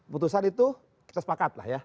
putusan itu kita sepakat lah ya